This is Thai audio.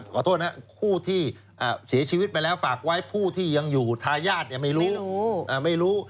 ขอโทษนะครับผู้ที่เสียชีวิตไปแล้วฝากไว้ผู้ที่ยังอยู่ทายาทไม่รู้ไม่รู้